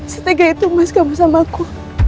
setiap hari itu mas kamu sama aku